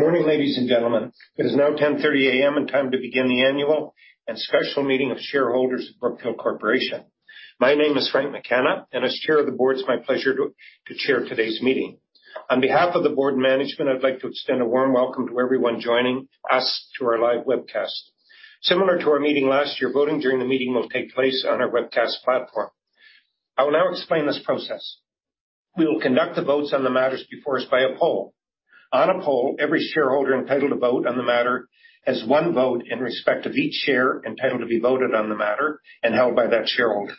Good morning, ladies and gentlemen. It is now 10:30 A.M. and time to begin the annual and special meeting of shareholders of Brookfield Corporation. My name is Frank McKenna, and as chair of the board, it's my pleasure to chair today's meeting. On behalf of the board and management, I'd like to extend a warm welcome to everyone joining us to our live webcast. Similar to our meeting last year, voting during the meeting will take place on our webcast platform. I will now explain this process. We will conduct the votes on the matters before us by a poll. On a poll, every shareholder entitled to vote on the matter has one vote in respect of each share entitled to be voted on the matter and held by that shareholder.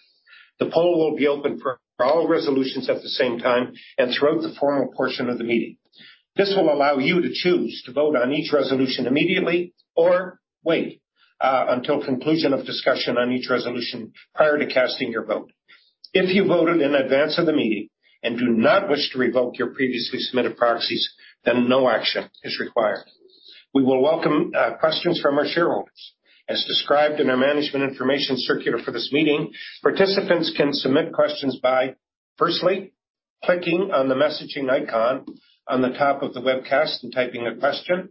The poll will be open for all resolutions at the same time and throughout the formal portion of the meeting. This will allow you to choose to vote on each resolution immediately or wait until conclusion of discussion on each resolution prior to casting your vote. If you voted in advance of the meeting and do not wish to revoke your previously submitted proxies, then no action is required. We will welcome questions from our shareholders. As described in our management information circular for this meeting, participants can submit questions by, firstly, clicking on the messaging icon on the top of the webcast and typing a question.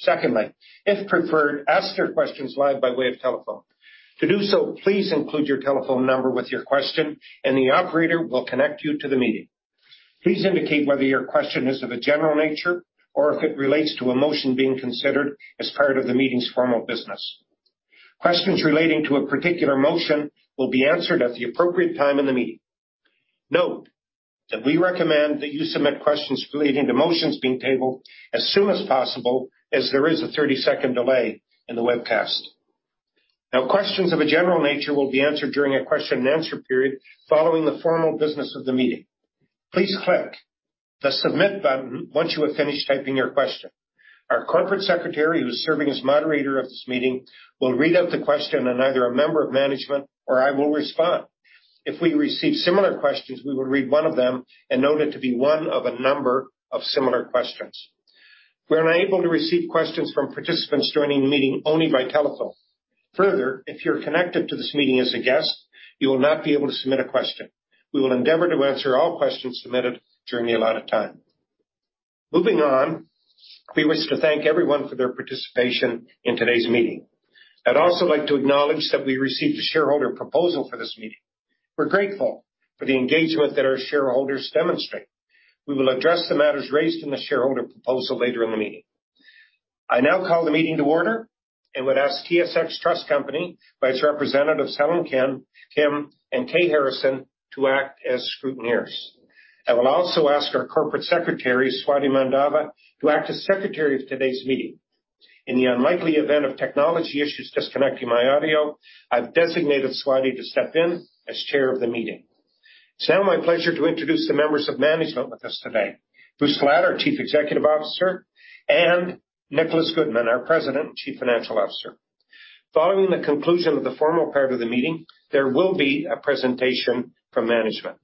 Secondly, if preferred, ask your questions live by way of telephone. To do so, please include your telephone number with your question, and the operator will connect you to the meeting. Please indicate whether your question is of a general nature or if it relates to a motion being considered as part of the meeting's formal business. Questions relating to a particular motion will be answered at the appropriate time in the meeting. Note, that we recommend that you submit questions relating to motions being tabled as soon as possible, as there is a 30-second delay in the webcast. Now, questions of a general nature will be answered during a question and answer period following the formal business of the meeting. Please click the Submit button once you have finished typing your question. Our corporate secretary, who is serving as moderator of this meeting, will read out the question, and either a member of management or I will respond. If we receive similar questions, we will read one of them and note it to be one of a number of similar questions. We're unable to receive questions from participants joining the meeting only by telephone. If you're connected to this meeting as a guest, you will not be able to submit a question. We will endeavor to answer all questions submitted during the allotted time. Moving on, we wish to thank everyone for their participation in today's meeting. I'd also like to acknowledge that we received a shareholder proposal for this meeting. We're grateful for the engagement that our shareholders demonstrate. We will address the matters raised in the shareholder proposal later in the meeting. I now call the meeting to order and would ask TSX Trust Company by its representatives, Helen Kim and Kay Harrison, to act as scrutineers. I will also ask our corporate secretary, Swati Mandava, to act as secretary of today's meeting. In the unlikely event of technology issues disconnecting my audio, I've designated Swati to step in as chair of the meeting. It's now my pleasure to introduce the members of management with us today. Bruce Flatt, our Chief Executive Officer, and Nicholas Goodman, our President and Chief Financial Officer. Following the conclusion of the formal part of the meeting, there will be a presentation from management.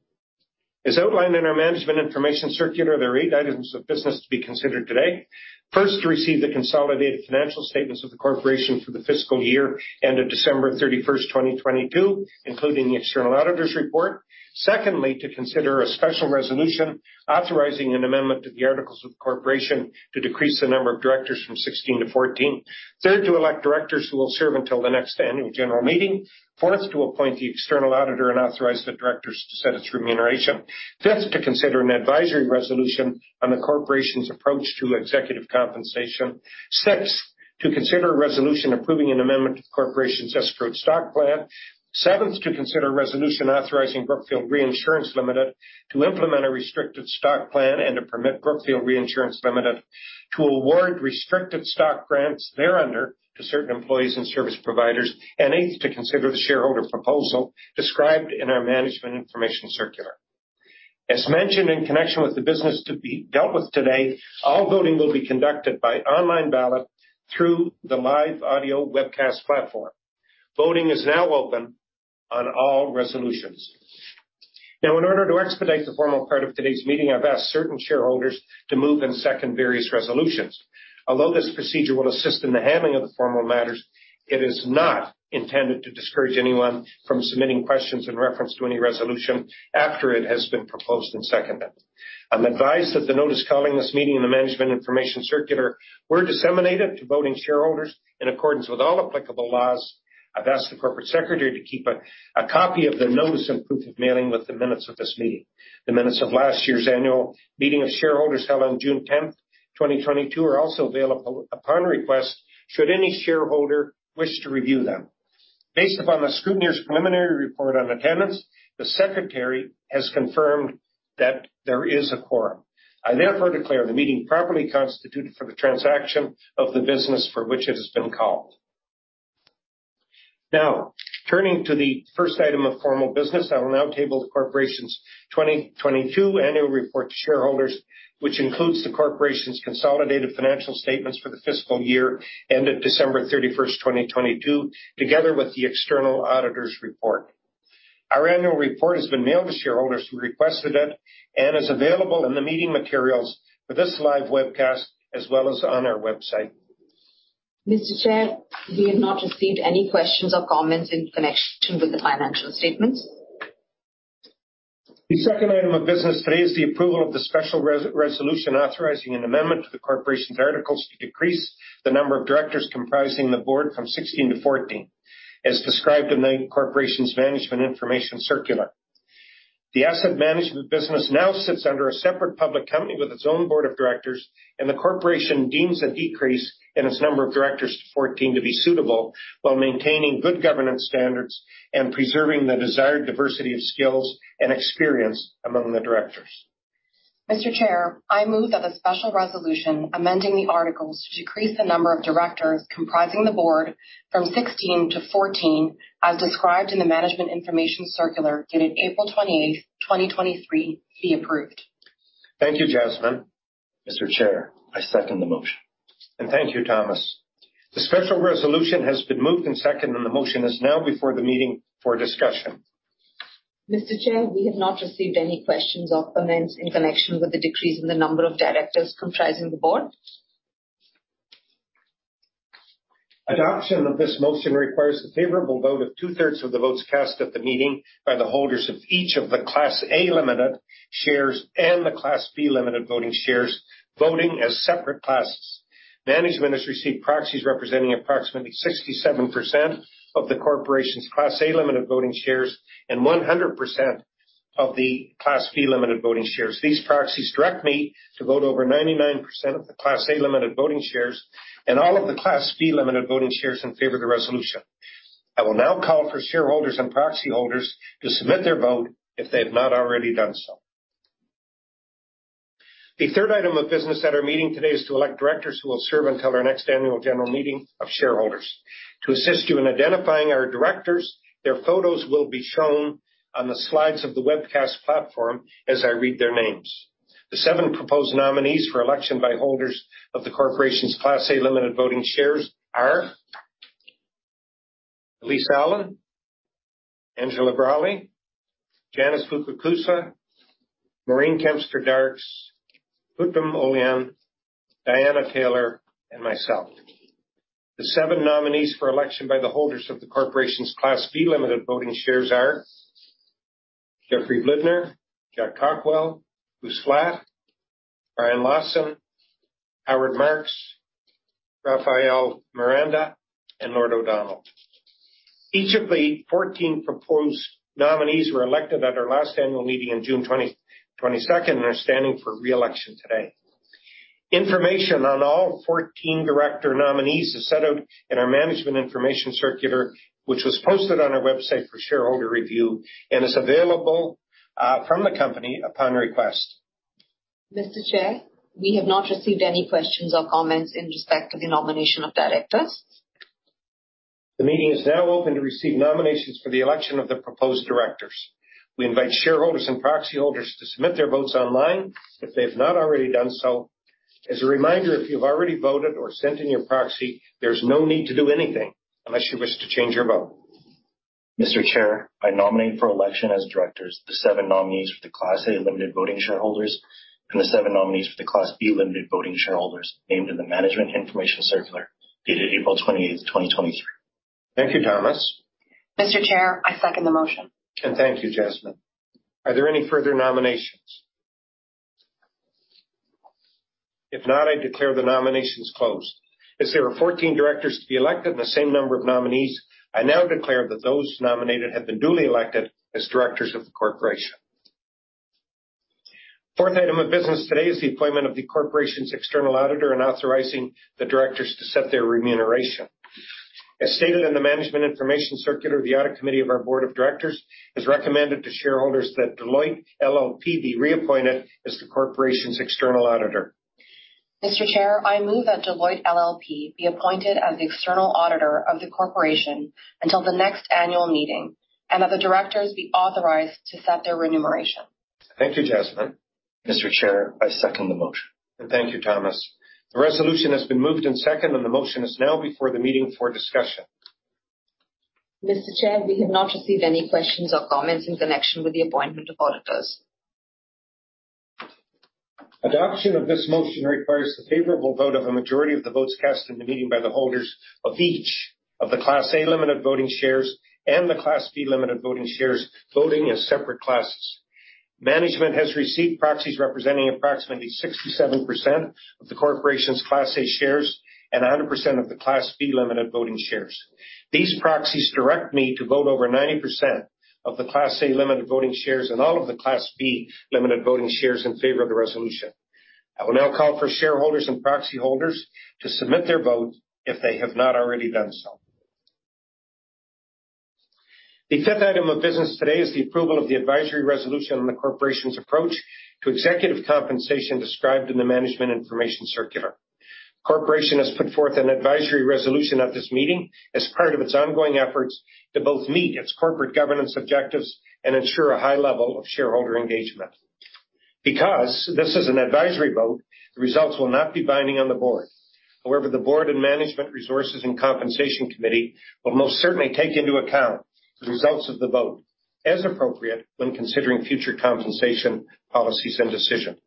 As outlined in our management information circular, there are eight items of business to be considered today. First, to receive the consolidated financial statements of the corporation for the fiscal year ended December 31st, 2022, including the external auditor's report. Secondly, to consider a special resolution authorizing an amendment to the articles of incorporation to decrease the number of directors from 16 to 14. Third, to elect directors who will serve until the next annual general meeting. Fourth, to appoint the external auditor and authorize the directors to set its remuneration. Fifth, to consider an advisory resolution on the corporation's approach to executive compensation. Sixth, to consider a resolution approving an amendment to the corporation's escrowed stock plan. Seventh, to consider a resolution authorizing Brookfield Reinsurance Ltd. to implement a restricted stock plan and to permit Brookfield Reinsurance Ltd. to award restricted stock grants thereunder to certain employees and service providers. Eighth, to consider the shareholder proposal described in our management information circular. As mentioned in connection with the business to be dealt with today, all voting will be conducted by online ballot through the live audio webcast platform. Voting is now open on all resolutions. Now, in order to expedite the formal part of today's meeting, I've asked certain shareholders to move and second various resolutions. Although this procedure will assist in the handling of the formal matters, it is not intended to discourage anyone from submitting questions in reference to any resolution after it has been proposed and seconded. I'm advised that the notice calling this meeting and the management information circular were disseminated to voting shareholders in accordance with all applicable laws. I've asked the corporate secretary to keep a copy of the notice and proof of mailing with the minutes of this meeting. The minutes of last year's annual meeting of shareholders, held on June 10th, 2022, are also available upon request should any shareholder wish to review them. Based upon the scrutineer's preliminary report on attendance, the secretary has confirmed that there is a quorum. I therefore declare the meeting properly constituted for the transaction of the business for which it has been called. Turning to the first item of formal business, I will now table the corporation's 2022 annual report to shareholders, which includes the corporation's consolidated financial statements for the fiscal year ended December 31st, 2022, together with the external auditor's report. Our annual report has been mailed to shareholders who requested it and is available in the meeting materials for this live webcast, as well as on our website. Mr. Chair, we have not received any questions or comments in connection with the financial statements? The second item of business today is the approval of the special resolution authorizing an amendment to the corporation's articles to decrease the number of directors comprising the board from 16 to 14, as described in the corporation's management information circular. The asset management business now sits under a separate public company with its own board of directors. The corporation deems a decrease in its number of directors to 14 to be suitable, while maintaining good governance standards and preserving the desired diversity of skills and experience among the directors. Mr. Chair, I move that the special resolution amending the articles to decrease the number of directors comprising the board from 16-14, as described in the management information circular dated April 28, 2023, be approved. Thank you, Jasmine. Mr. Chair, I second the motion. Thank you, Thomas. The special resolution has been moved and seconded, and the motion is now before the meeting for discussion. Mr. Chair, we have not received any questions or comments in connection with the decrease in the number of directors comprising the board. Adoption of this motion requires the favorable vote of 2/3 of the votes cast at the meeting by the holders of each of the Class A Limited Voting Shares and the Class B Limited Voting Shares, voting as separate classes. Management has received proxies representing approximately 67% of the Corporation's Class A Limited Voting Shares and 100% of the Class B Limited Voting Shares. These proxies direct me to vote over 99% of the Class A Limited Voting Shares and all of the Class B Limited Voting Shares in favor of the resolution. I will now call for shareholders and proxy holders to submit their vote if they have not already done so. The third item of business at our meeting today is to elect directors who will serve until our next annual general meeting of shareholders. To assist you in identifying our directors, their photos will be shown on the slides of the webcast platform as I read their names. The seven proposed nominees for election by holders of the corporation's Class A Limited Voting Shares are: Elyse Allan, Angela Braly, Janice Fukakusa, Maureen Kempston Darkes, Hutham Olayan, Diana Taylor, and myself. The seven nominees for election by the holders of the corporation's Class B Limited Voting Shares are Jeffrey Blidner, Jack Cockwell, Bruce Flatt, Brian Lawson, Howard Marks, Rafael Miranda, and Lord O'Donnell. Each of the 14 proposed nominees were elected at our last annual meeting on June 20, 2022, and are standing for re-election today. Information on all 14 director nominees is set out in our management information circular, which was posted on our website for shareholder review and is available from the company upon request. Mr. Chair, we have not received any questions or comments in respect to the nomination of directors. The meeting is now open to receive nominations for the election of the proposed directors. We invite shareholders and proxy holders to submit their votes online if they've not already done so. As a reminder, if you've already voted or sent in your proxy, there's no need to do anything unless you wish to change your vote. Mr. Chair, I nominate for election as directors, the seven nominees for the Class A Limited Voting shareholders and the seven nominees for the Class B Limited Voting shareholders named in the Management Information Circular dated April 28th, 2023. Thank you, Thomas. Mr. Chair, I second the motion. Thank you, Jasmine. Are there any further nominations? If not, I declare the nominations closed. As there are 14 directors to be elected, and the same number of nominees, I now declare that those nominated have been duly elected as directors of the Corporation. Fourth item of business today is the appointment of the Corporation's external auditor and authorizing the directors to set their remuneration. As stated in the Management Information Circular, the Audit Committee of our Board of Directors has recommended to shareholders that Deloitte LLP be reappointed as the Corporation's external auditor. Mr. Chair, I move that Deloitte LLP be appointed as the external auditor of the corporation until the next annual meeting and that the directors be authorized to set their remuneration. Thank you, Jasmine. Mr. Chair, I second the motion. Thank you, Thomas. The resolution has been moved and seconded, and the motion is now before the meeting for discussion. Mr. Chair, we have not received any questions or comments in connection with the appointment of auditors. Adoption of this motion requires the favorable vote of a majority of the votes cast in the meeting by the holders of each of the Class A Limited Voting Shares and the Class B Limited Voting Shares, voting as separate classes. Management has received proxies representing approximately 67% of the Corporation's Class A shares and 100% of the Class B Limited Voting Shares. These proxies direct me to vote over 90% of the Class A Limited Voting Shares and all of the Class B Limited Voting Shares in favor of the resolution. I will now call for shareholders and proxy holders to submit their vote if they have not already done so. The fifth item of business today is the approval of the advisory resolution on the Corporation's approach to executive compensation described in the Management Information Circular. Corporation has put forth an advisory resolution at this meeting as part of its ongoing efforts to both meet its corporate governance objectives and ensure a high level of shareholder engagement. Because this is an advisory vote, the results will not be binding on the board. However, the board and Management Resources and Compensation Committee will most certainly take into account the results of the vote, as appropriate, when considering future compensation, policies, and decisions.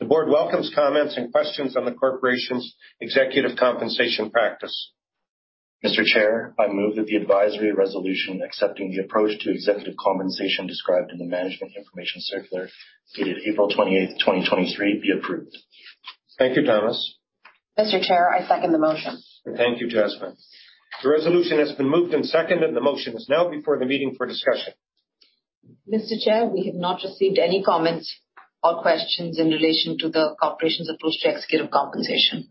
The board welcomes comments and questions on the Corporation's executive compensation practice. Mr. Chair, I move that the advisory resolution accepting the approach to executive compensation described in the management information circular, dated April 28th, 2023, be approved. Thank you, Thomas. Mr. Chair, I second the motion. Thank you, Jasmine. The resolution has been moved and seconded. The motion is now before the meeting for discussion. Mr. Chair, we have not received any comments or questions in relation to the Corporation's approach to executive compensation.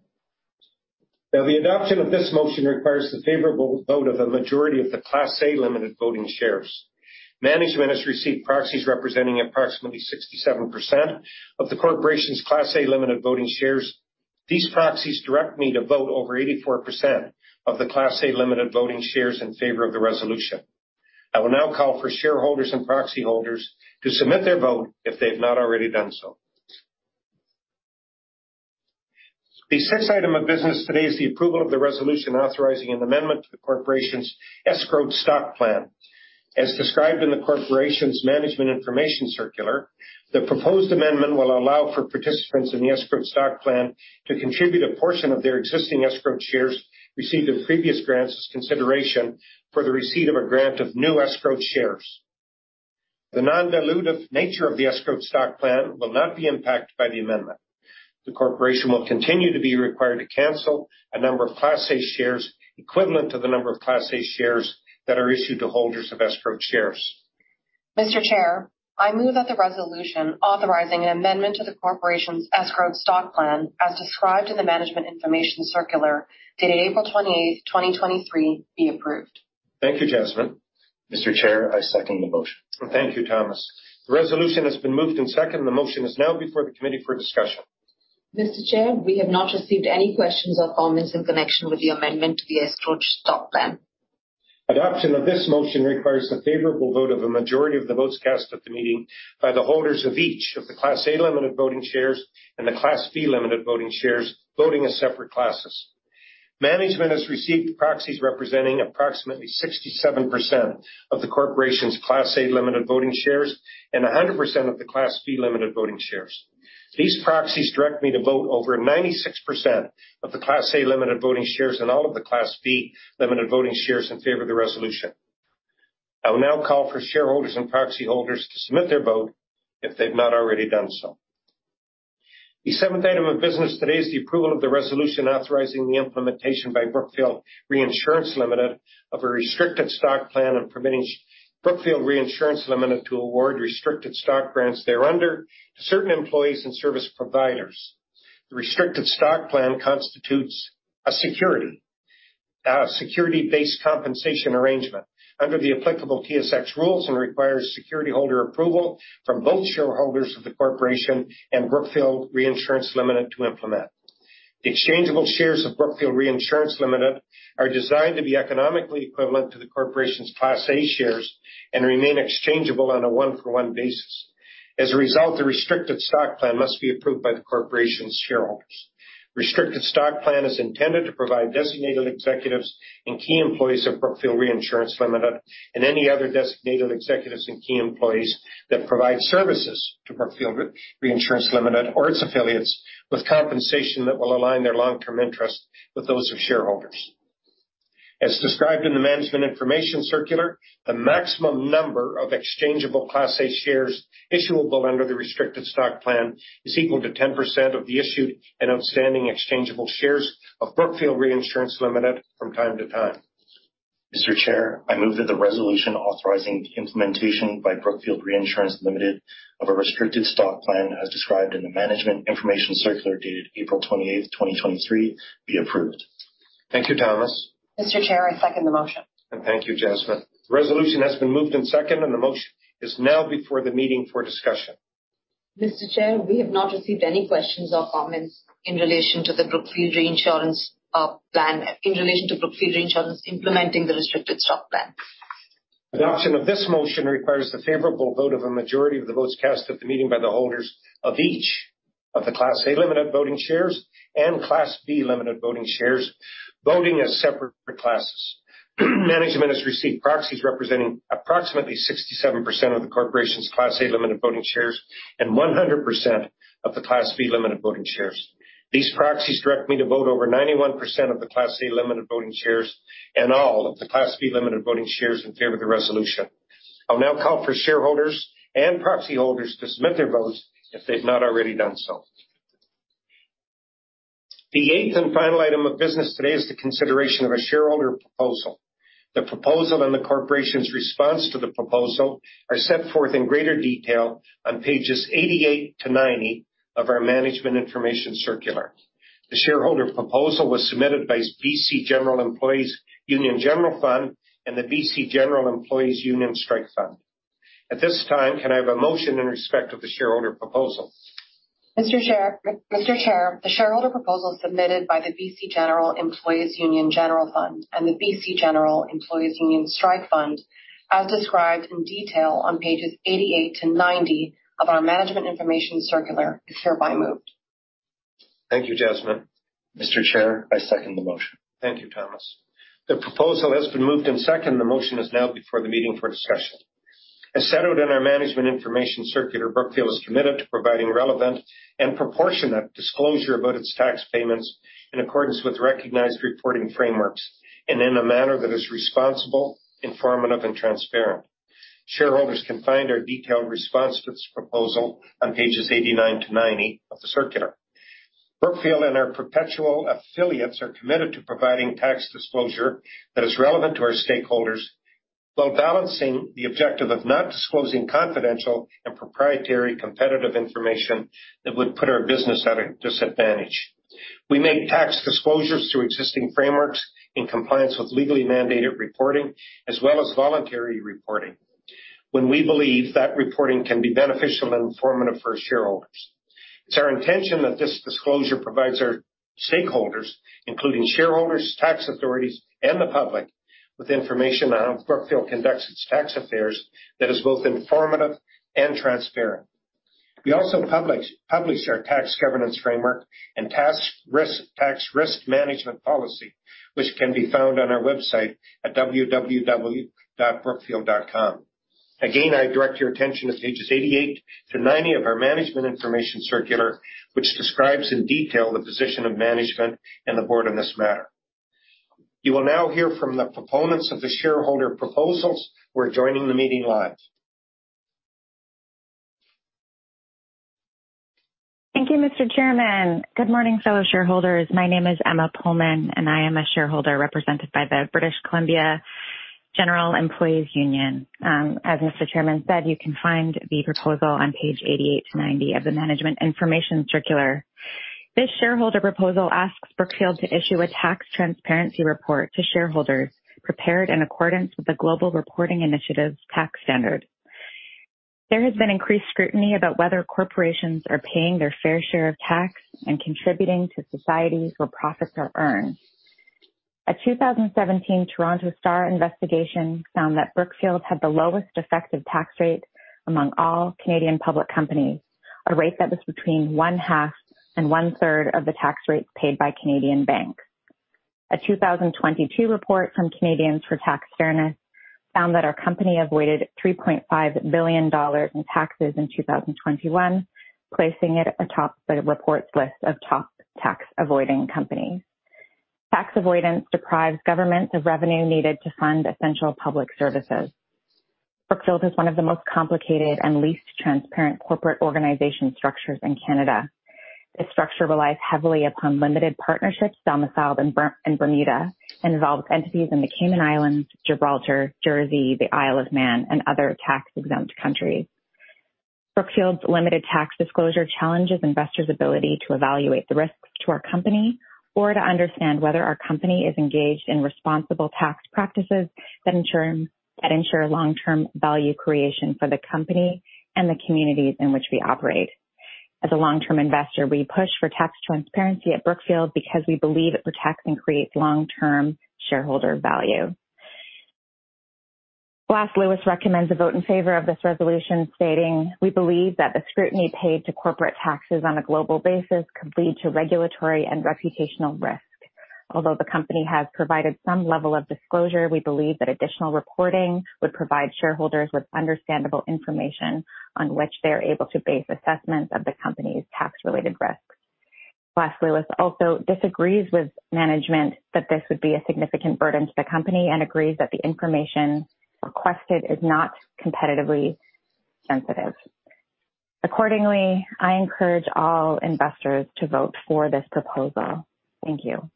The adoption of this motion requires the favorable vote of the majority of the Class A Limited Voting Shares. Management has received proxies representing approximately 67% of the corporation's Class A Limited Voting Shares. These proxies direct me to vote over 84% of the Class A Limited Voting Shares in favor of the resolution. I will now call for shareholders and proxy holders to submit their vote if they've not already done so. The sixth item of business today is the approval of the resolution authorizing an amendment to the corporation's Escrowed Stock Plan. As described in the corporation's management information circular, the proposed amendment will allow for participants in the Escrowed Stock Plan to contribute a portion of their existing escrowed shares received in previous grants as consideration for the receipt of a grant of new escrowed shares. The non-dilutive nature of the Escrowed Stock Plan will not be impacted by the amendment. The Corporation will continue to be required to cancel a number of Class A shares, equivalent to the number of Class A shares that are issued to holders of Escrowed shares. Mr. Chair, I move that the resolution authorizing an amendment to the Corporation's Escrowed Stock Plan, as described in the management information circular, dated April 28th, 2023, be approved. Thank you, Jasmine. Mr. Chair, I second the motion. Thank you, Thomas. The resolution has been moved and seconded. The motion is now before the committee for discussion. Mr. Chair, we have not received any questions or comments in connection with the amendment to the Escrowed Stock Plan. Adoption of this motion requires a favorable vote of a majority of the votes cast at the meeting by the holders of each of the Class A Limited Voting Shares and the Class B Limited Voting Shares, voting as separate classes. Management has received proxies representing approximately 67% of the corporation's Class A Limited Voting Shares and 100% of the Class B Limited Voting Shares. These proxies direct me to vote over 96% of the Class A Limited Voting Shares and all of the Class B Limited Voting Shares in favor of the resolution. I will now call for shareholders and proxy holders to submit their vote if they've not already done so. The seventh item of business today is the approval of the resolution authorizing the implementation by Brookfield Reinsurance Limited of a Restricted Stock Plan and permitting Brookfield Reinsurance Limited to award restricted stock grants thereunder to certain employees and service providers. The Restricted Stock Plan constitutes a security, a security-based compensation arrangement under the applicable TSX rules and requires security holder approval from both shareholders of the corporation and Brookfield Reinsurance Limited to implement. The exchangeable shares of Brookfield Reinsurance Limited are designed to be economically equivalent to the corporation's Class A shares and remain exchangeable on a 1-for-1 basis. As a result, the Restricted Stock Plan must be approved by the corporation's shareholders. Restricted Stock Plan is intended to provide designated executives and key employees of Brookfield Reinsurance Limited and any other designated executives and key employees that provide services to Brookfield Reinsurance Limited or its affiliates, with compensation that will align their long-term interests with those of shareholders. As described in the management information circular, the maximum number of exchangeable Class A shares issuable under the Restricted Stock Plan is equal to 10% of the issued and outstanding exchangeable shares of Brookfield Reinsurance Limited from time to time. Mr. Chair, I move that the resolution authorizing the implementation by Brookfield Reinsurance Ltd. of a Restricted Stock Plan, as described in the management information circular dated April 28th, 2023, be approved. Thank you, Thomas. Mr. Chair, I second the motion. Thank you, Jasmine. The resolution has been moved and seconded, and the motion is now before the meeting for discussion. Mr. Chair, we have not received any questions or comments in relation to the Brookfield Reinsurance plan, in relation to Brookfield Reinsurance implementing the Restricted Stock Plan. Adoption of this motion requires the favorable vote of a majority of the votes cast at the meeting by the holders of each of the Class A Limited Voting Shares and Class B Limited Voting Shares, voting as separate classes. Management has received proxies representing approximately 67% of the corporation's Class A Limited Voting Shares and 100% of the Class B Limited Voting Shares. These proxies direct me to vote over 91% of the Class A Limited Voting Shares and all of the Class B Limited Voting Shares in favor of the resolution. I'll now call for shareholders and proxy holders to submit their votes if they've not already done so. The eighth and final item of business today is the consideration of a shareholder proposal. The proposal and the Corporation's response to the proposal are set forth in greater detail on pages 88-90 of our management information circular. The shareholder proposal was submitted by BC General Employees' Union General Fund and the BC General Employees' Union Strike Fund. At this time, can I have a motion in respect of the shareholder proposal? Mr. Chair, the shareholder proposal submitted by the BC General Employees' Union General Fund and the BC General Employees' Union Strike Fund, as described in detail on pages 88-90 of our management information circular, is hereby moved. Thank you, Jasmine. Mr. Chair, I second the motion. Thank you, Thomas. The proposal has been moved and seconded. The motion is now before the meeting for discussion....As set out in our Management Information Circular, Brookfield is committed to providing relevant and proportionate disclosure about its tax payments in accordance with recognized reporting frameworks, and in a manner that is responsible, informative, and transparent. Shareholders can find our detailed response to this proposal on pages 89-90 of the circular. Brookfield and our perpetual affiliates are committed to providing tax disclosure that is relevant to our stakeholders, while balancing the objective of not disclosing confidential and proprietary competitive information that would put our business at a disadvantage. We make tax disclosures through existing frameworks in compliance with legally mandated reporting, as well as voluntary reporting, when we believe that reporting can be beneficial and informative for our shareholders. It's our intention that this disclosure provides our stakeholders, including shareholders, tax authorities, and the public, with information on how Brookfield conducts its tax affairs that is both informative and transparent. We also publish our tax governance framework and tax risk management policy, which can be found on our website at www.brookfield.com. I direct your attention to pages 88-90 of our Management Information Circular, which describes in detail the position of management and the board on this matter. You will now hear from the proponents of the shareholder proposals who are joining the meeting live. Thank you, Mr. Chairman. Good morning, fellow shareholders. My name is Emma Pullman, and I am a shareholder represented by the British Columbia General Employees' Union. As Mr. Chairman said, you can find the proposal on page 88-90 of the Management Information Circular. This shareholder proposal asks Brookfield to issue a tax transparency report to shareholders, prepared in accordance with the Global Reporting Initiative's tax standard. There has been increased scrutiny about whether corporations are paying their fair share of tax and contributing to societies where profits are earned. A 2017 Toronto Star investigation found that Brookfield had the lowest effective tax rate among all Canadian public companies, a rate that was between one half and one third of the tax rates paid by Canadian banks. A 2022 report from Canadians for Tax Fairness found that our company avoided $3.5 billion in taxes in 2021, placing it atop the report's list of top tax-avoiding companies. Tax avoidance deprives governments of revenue needed to fund essential public services. Brookfield is one of the most complicated and least transparent corporate organization structures in Canada. This structure relies heavily upon limited partnerships domiciled in Bermuda, and involves entities in the Cayman Islands, Gibraltar, Jersey, the Isle of Man, and other tax-exempt countries. Brookfield's limited tax disclosure challenges investors' ability to evaluate the risks to our company or to understand whether our company is engaged in responsible tax practices that ensure long-term value creation for the company and the communities in which we operate. As a long-term investor, we push for tax transparency at Brookfield because we believe it protects and creates long-term shareholder value. Glass Lewis recommends a vote in favor of this resolution, stating: "We believe that the scrutiny paid to corporate taxes on a global basis could lead to regulatory and reputational risk. Although the company has provided some level of disclosure, we believe that additional reporting would provide shareholders with understandable information on which they are able to base assessments of the company's tax-related risks." Glass Lewis also disagrees with management that this would be a significant burden to the company, and agrees that the information requested is not competitively sensitive. Accordingly, I encourage all investors to vote for this proposal. Thank you.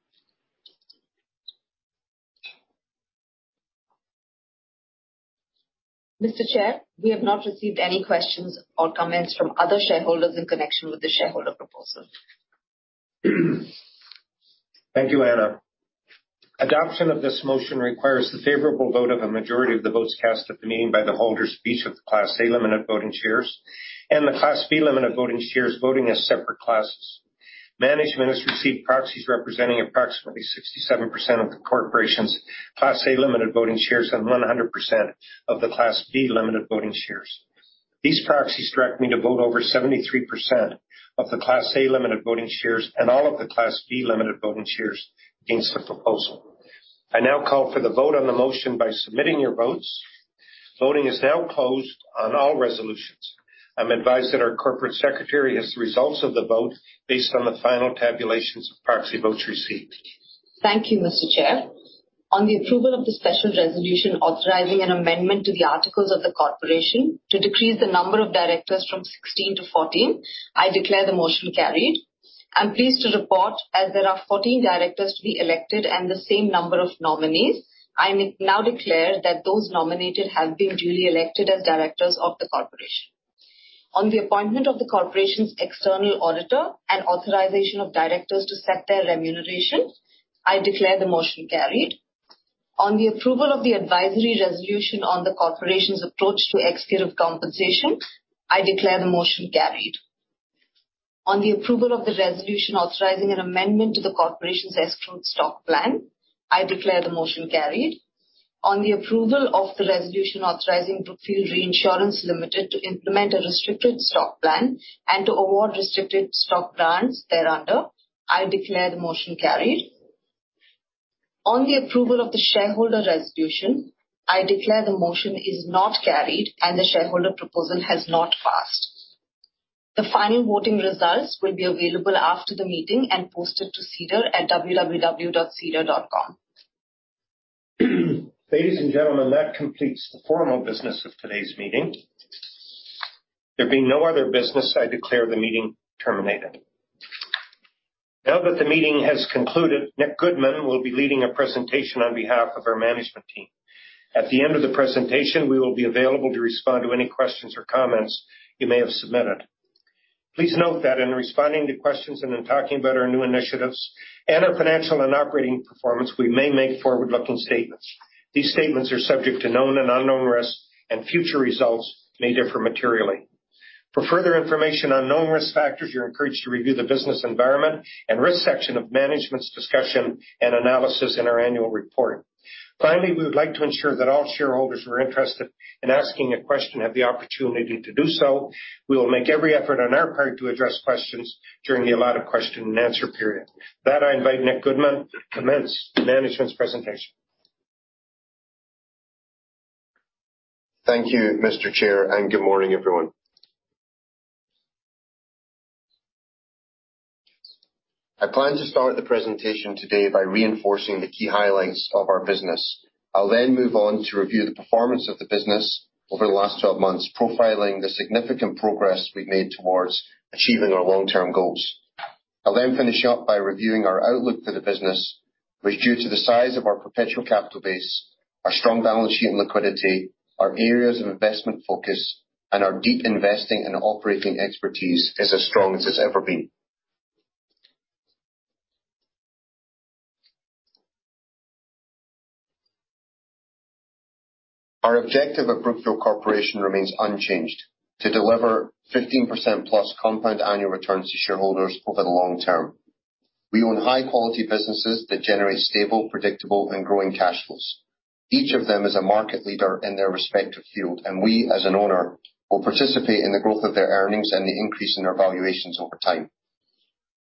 Mr. Chair, we have not received any questions or comments from other shareholders in connection with the shareholder proposal. Thank you, Anna. Adoption of this motion requires the favorable vote of a majority of the votes cast at the meeting by the holders of each of the Class A Limited Voting Shares and the Class B Limited Voting Shares voting as separate classes. Management has received proxies representing approximately 67% of the corporation's Class A Limited Voting Shares and 100% of the Class B Limited Voting Shares. These proxies direct me to vote over 73% of the Class A Limited Voting Shares and all of the Class B Limited Voting Shares against the proposal. I now call for the vote on the motion by submitting your votes. Voting is now closed on all resolutions. I'm advised that our corporate secretary has the results of the vote based on the final tabulations of proxy votes received. Thank you, Mr. Chair. On the approval of the special resolution authorizing an amendment to the articles of the corporation to decrease the number of directors from 16-14, I declare the motion carried. I'm pleased to report, as there are 14 directors to be elected and the same number of nominees, I now declare that those nominated have been duly elected as directors of the corporation. On the appointment of the corporation's external auditor and authorization of directors to set their remuneration, I declare the motion carried. On the approval of the advisory resolution on the corporation's approach to executive compensation, I declare the motion carried. On the approval of the resolution authorizing an amendment to the corporation's Escrowed Stock Plan, I declare the motion carried. On the approval of the resolution authorizing Brookfield Reinsurance Ltd. to implement a Restricted Stock Plan and to award restricted stock grants thereunder, I declare the motion carried. On the approval of the shareholder resolution, I declare the motion is not carried and the shareholder proposal has not passed. The final voting results will be available after the meeting and posted to SEDAR at www.sedar.com. Ladies and gentlemen, that completes the formal business of today's meeting. There being no other business, I declare the meeting terminated. Now that the meeting has concluded, Nick Goodman will be leading a presentation on behalf of our management team. At the end of the presentation, we will be available to respond to any questions or comments you may have submitted. Please note that in responding to questions and in talking about our new initiatives and our financial and operating performance, we may make forward-looking statements. These statements are subject to known and unknown risks, and future results may differ materially. For further information on known risk factors, you're encouraged to review the business environment and risk section of management's discussion and analysis in our annual report. Finally, we would like to ensure that all shareholders who are interested in asking a question have the opportunity to do so. We will make every effort on our part to address questions during the allotted question and answer period. With that, I invite Nick Goodman to commence the management's presentation. Thank you, Mr. Chair. Good morning, everyone. I plan to start the presentation today by reinforcing the key highlights of our business. I'll move on to review the performance of the business over the last 12 months, profiling the significant progress we've made towards achieving our long-term goals. I'll finish up by reviewing our outlook for the business, which, due to the size of our perpetual capital base, our strong balance sheet and liquidity, our areas of investment focus, and our deep investing and operating expertise, is as strong as it's ever been. Our objective at Brookfield Corporation remains unchanged: to deliver 15% plus compound annual returns to shareholders over the long term. We own high-quality businesses that generate stable, predictable, and growing cash flows. Each of them is a market leader in their respective field, and we, as an owner, will participate in the growth of their earnings and the increase in their valuations over time.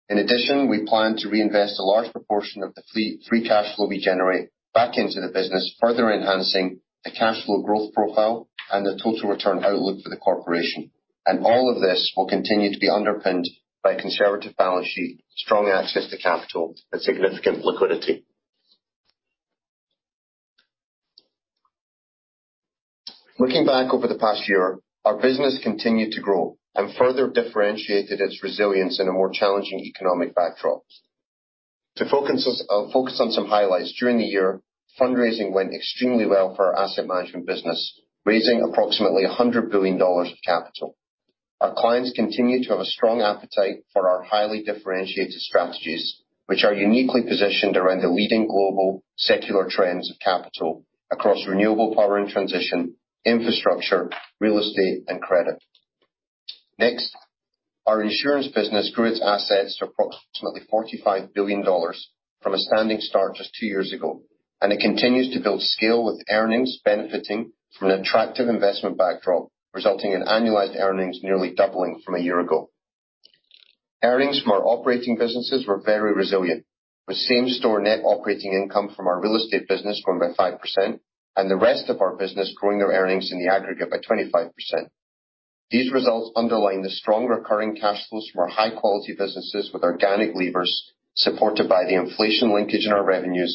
In addition, we plan to reinvest a large proportion of the free cash flow we generate back into the business, further enhancing the cash flow growth profile and the total return outlook for the corporation. All of this will continue to be underpinned by a conservative balance sheet, strong access to capital, and significant liquidity. Looking back over the past year, our business continued to grow and further differentiated its resilience in a more challenging economic backdrop. To focus on some highlights, during the year, fundraising went extremely well for our asset management business, raising approximately $100 billion of capital. Our clients continue to have a strong appetite for our highly differentiated strategies, which are uniquely positioned around the leading global secular trends of capital across renewable power and transition, infrastructure, real estate, and credit. Our insurance business grew its assets to approximately $45 billion from a standing start just two years ago, and it continues to build scale with earnings benefiting from an attractive investment backdrop, resulting in annualized earnings nearly doubling from a year ago. Earnings from our operating businesses were very resilient, with same-store net operating income from our real estate business growing by 5% and the rest of our business growing their earnings in the aggregate by 25%. These results underline the strong recurring cash flows from our high-quality businesses with organic levers, supported by the inflation linkage in our revenues,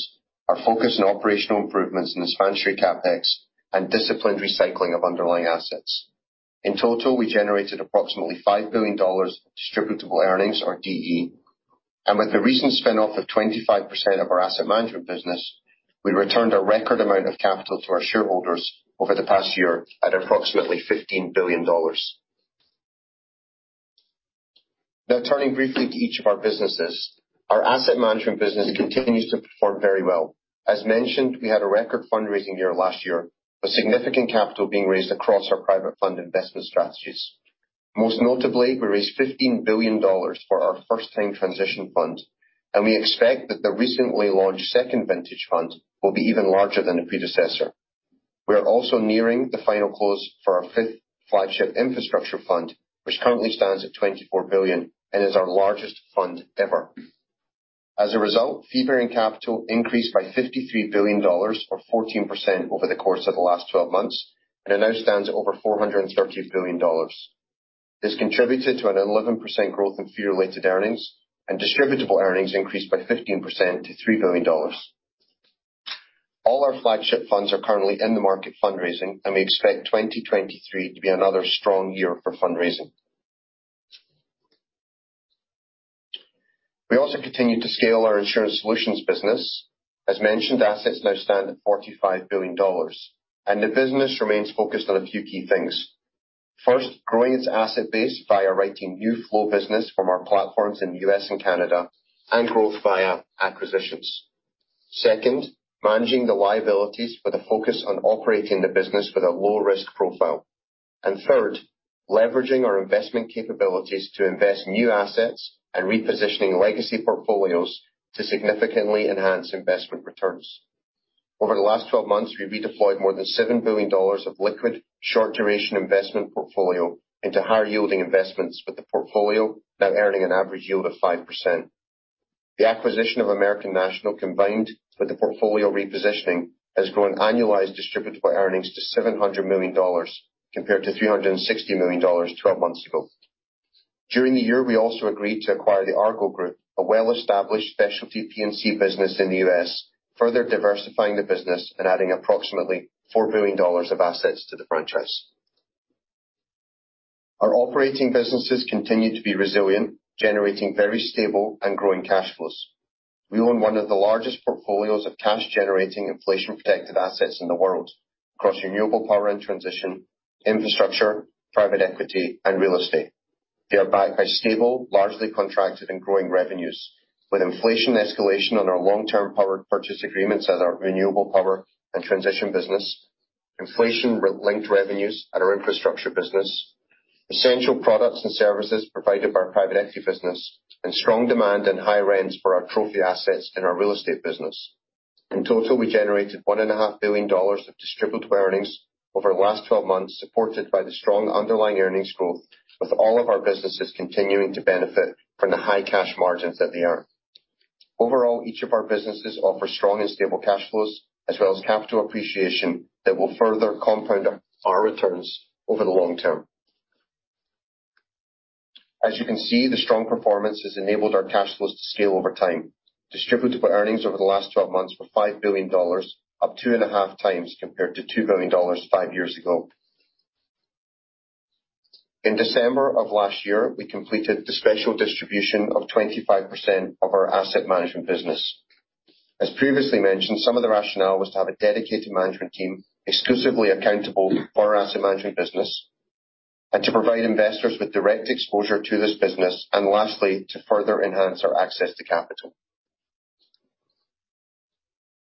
our focus on operational improvements in discretionary CapEx, and disciplined recycling of underlying assets. In total, we generated approximately $5 billion distributable earnings, or DE. With the recent spin-off of 25% of our asset management business, we returned a record amount of capital to our shareholders over the past year at approximately $15 billion. Turning briefly to each of our businesses. Our asset management business continues to perform very well. As mentioned, we had a record fundraising year last year, with significant capital being raised across our private fund investment strategies. Most notably, we raised $15 billion for our first-time transition fund, and we expect that the recently launched second vintage fund will be even larger than the predecessor. We are also nearing the final close for our fifth flagship infrastructure fund, which currently stands at $24 billion and is our largest fund ever. As a result, fee-bearing capital increased by $53 billion, or 14%, over the course of the last 12 months, and it now stands at over $430 billion. This contributed to an 11% growth in fee-related earnings, and distributable earnings increased by 15% to $3 billion. All our flagship funds are currently in the market fundraising, and we expect 2023 to be another strong year for fundraising. We also continued to scale our insurance solutions business. As mentioned, assets now stand at $45 billion, and the business remains focused on a few key things. First, growing its asset base via writing new flow business from our platforms in the U.S. and Canada and growth via acquisitions. Second, managing the liabilities with a focus on operating the business with a low-risk profile. Third, leveraging our investment capabilities to invest new assets and repositioning legacy portfolios to significantly enhance investment returns. Over the last 12 months, we've redeployed more than $7 billion of liquid, short-duration investment portfolio into higher-yielding investments, with the portfolio now earning an average yield of 5%. The acquisition of American National, combined with the portfolio repositioning, has grown annualized distributable earnings to $700 million, compared to $360 million 12 months ago. During the year, we also agreed to acquire the Argo Group, a well-established specialty P&C business in the U.S., further diversifying the business and adding approximately $4 billion of assets to the franchise. Our operating businesses continue to be resilient, generating very stable and growing cash flows. We own one of the largest portfolios of cash-generating, inflation-protected assets in the world across renewable power and transition, infrastructure, private equity, and real estate. They are backed by stable, largely contracted and growing revenues, with inflation escalation on our long-term power purchase agreements at our renewable power and transition business, inflation-linked revenues at our infrastructure business, essential products and services provided by our private equity business, and strong demand and high rents for our trophy assets in our real estate business. In total, we generated one and a half billion dollars of distributable earnings over the last 12 months, supported by the strong underlying earnings growth, with all of our businesses continuing to benefit from the high cash margins that they earn. Overall, each of our businesses offer strong and stable cash flows, as well as capital appreciation that will further compound our returns over the long term. As you can see, the strong performance has enabled our cash flows to scale over time. distributable earnings over the last 12 months were $5 billion, up 2.5x compared to $2 billion five years ago. In December of last year, we completed the special distribution of 25% of our asset management business. As previously mentioned, some of the rationale was to have a dedicated management team exclusively accountable for our asset management business and to provide investors with direct exposure to this business and lastly, to further enhance our access to capital.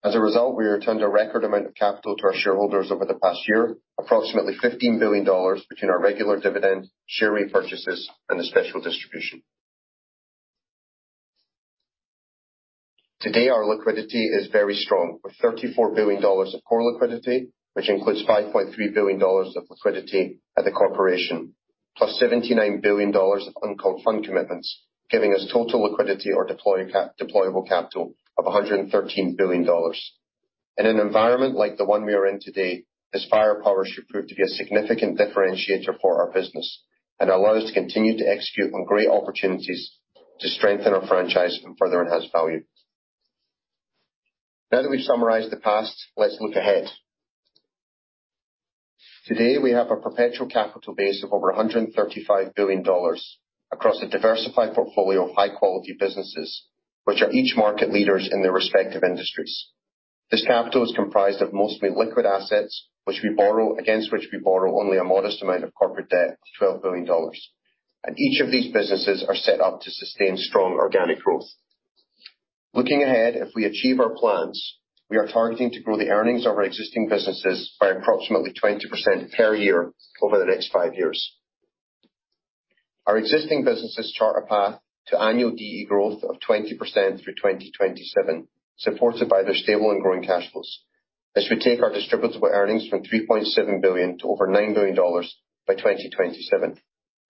We returned a record amount of capital to our shareholders over the past year, approximately $15 billion between our regular dividend, share repurchases, and the special distribution. Today, our liquidity is very strong, with $34 billion of core liquidity, which includes $5.3 billion of liquidity at the corporation, plus $79 billion of uncalled fund commitments, giving us total liquidity or deployable capital of $113 billion. In an environment like the one we are in today, this firepower should prove to be a significant differentiator for our business and allow us to continue to execute on great opportunities to strengthen our franchise and further enhance value. Now that we've summarized the past, let's look ahead. Today, we have a perpetual capital base of over $135 billion across a diversified portfolio of high-quality businesses, which are each market leaders in their respective industries. This capital is comprised of mostly liquid assets, against which we borrow only a modest amount of corporate debt of $12 billion. Each of these businesses are set up to sustain strong organic growth. Looking ahead, if we achieve our plans, we are targeting to grow the earnings of our existing businesses by approximately 20% per year over the next five years. Our existing businesses chart a path to annual DE growth of 20% through 2027, supported by their stable and growing cash flows. This should take our distributable earnings from $3.7 billion to over $9 billion by 2027.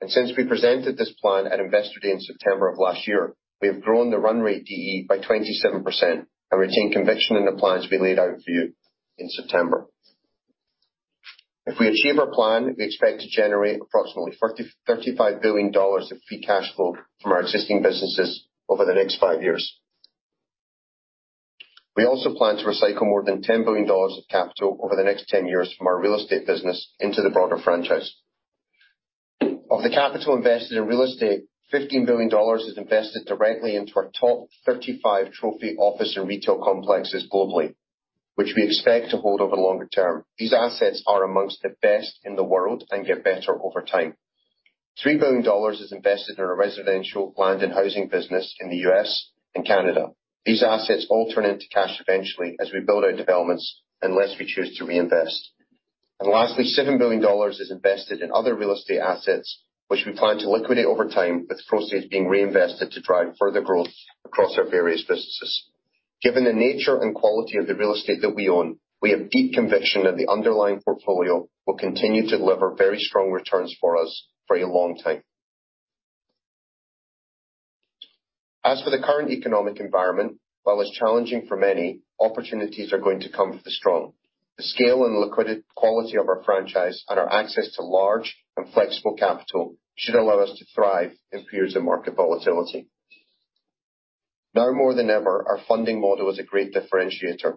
Since we presented this plan at Investor Day in September of last year, we have grown the run rate DE by 27% and retain conviction in the plans we laid out for you in September. If we achieve our plan, we expect to generate approximately $30 billion-$35 billion of free cash flow from our existing businesses over the next five years. We also plan to recycle more than $10 billion of capital over the next 10 years from our real estate business into the broader franchise. Of the capital invested in real estate, $15 billion is invested directly into our top 35 trophy office and retail complexes globally, which we expect to hold over the longer term. These assets are amongst the best in the world and get better over time. $3 billion is invested in our residential, land, and housing business in the U.S. and Canada. These assets all turn into cash eventually as we build our developments, unless we choose to reinvest. Lastly, $7 billion is invested in other real estate assets, which we plan to liquidate over time, with the proceeds being reinvested to drive further growth across our various businesses. Given the nature and quality of the real estate that we own, we have deep conviction that the underlying portfolio will continue to deliver very strong returns for us for a long time. As for the current economic environment, while it's challenging for many, opportunities are going to come for the strong. The scale and liquidity quality of our franchise and our access to large and flexible capital should allow us to thrive in periods of market volatility. Now more than ever, our funding model is a great differentiator.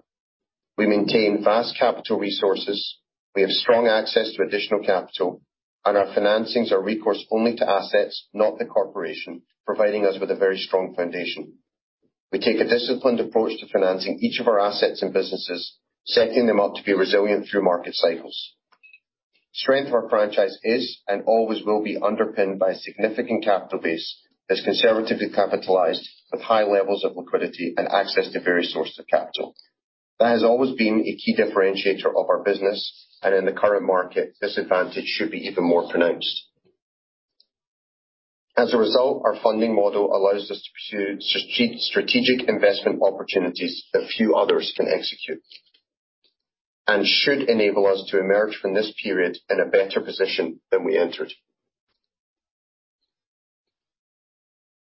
We maintain vast capital resources, we have strong access to additional capital, our financings are recourse only to assets, not the Corporation, providing us with a very strong foundation. We take a disciplined approach to financing each of our assets and businesses, setting them up to be resilient through market cycles. The strength of our franchise is, and always will be, underpinned by a significant capital base that's conservatively capitalized with high levels of liquidity and access to various sources of capital. That has always been a key differentiator of our business, in the current market, this advantage should be even more pronounced. As a result, our funding model allows us to pursue strategic investment opportunities that few others can execute, should enable us to emerge from this period in a better position than we entered.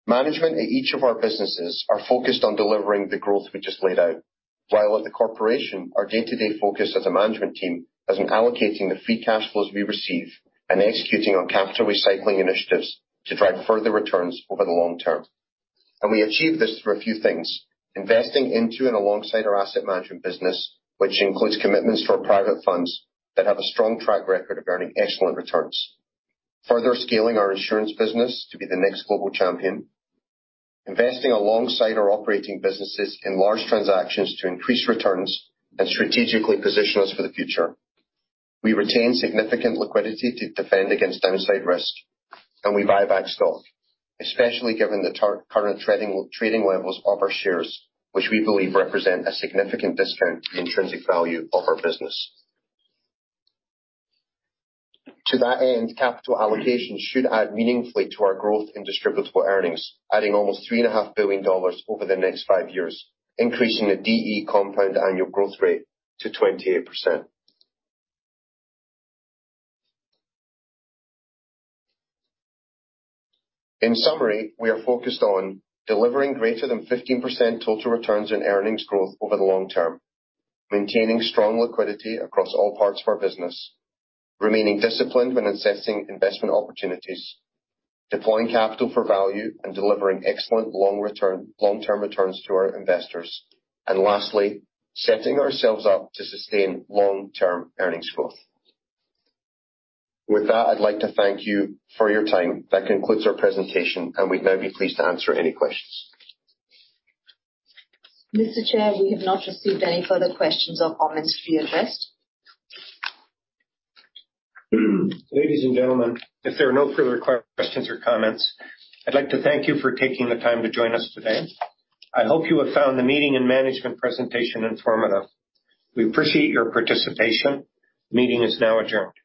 Management at each of our businesses are focused on delivering the growth we just laid out, while at the Corporation, our day-to-day focus as a management team is on allocating the free cash flows we receive and executing on capital recycling initiatives to drive further returns over the long term. We achieve this through a few things: investing into and alongside our asset management business, which includes commitments to our private funds that have a strong track record of earning excellent returns, further scaling our insurance business to be the next global champion, investing alongside our operating businesses in large transactions to increase returns and strategically position us for the future. We retain significant liquidity to defend against downside risk, and we buy back stock, especially given the current trading levels of our shares, which we believe represent a significant discount to the intrinsic value of our business. To that end, capital allocation should add meaningfully to our growth in distributable earnings, adding almost $3.5 billion over the next five years, increasing the DE compound annual growth rate to 28%. In summary, we are focused on delivering greater than 15% total returns and earnings growth over the long term, maintaining strong liquidity across all parts of our business, remaining disciplined when assessing investment opportunities, deploying capital for value, and delivering excellent long-term returns to our investors. Lastly, setting ourselves up to sustain long-term earnings growth. With that, I'd like to thank you for your time. That concludes our presentation, and we'd now be pleased to answer any questions. Mr. Chair, we have not received any further questions or comments to be addressed. Ladies and gentlemen, if there are no further questions or comments, I'd like to thank you for taking the time to join us today. I hope you have found the meeting and management presentation informative. We appreciate your participation. The meeting is now adjourned.